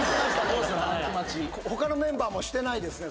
他のメンバーもしてないですね